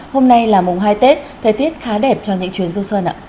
hôm nay là mùng hai tết thời tiết khá đẹp cho những chuyến du xuân ạ